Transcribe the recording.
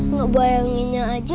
iya gak bayangin aja